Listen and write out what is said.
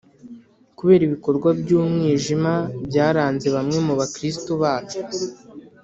kubera ibikorwa by’umwijima byaranze bamwe mubakristu bacu.